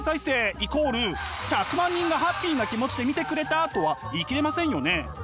イコール１００万人がハッピーな気持ちで見てくれたとは言い切れませんよね。